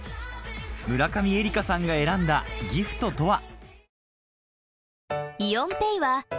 村上愛花さんが選んだギフトとは？